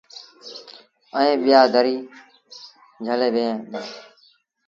ائيٚݩ ٻيٚآ دريٚ جھلي بيٚهين دآ۔